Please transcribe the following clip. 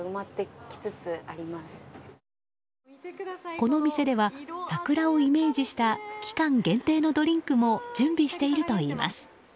この店では桜をイメージした期間限定のドリンクも準備しているといいます。